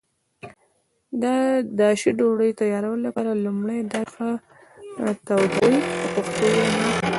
د داشي ډوډۍ تیارولو لپاره لومړی داش ښه تودوي په پښتو وینا.